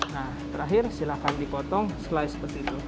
nah terakhir silakan dipotong slice seperti itu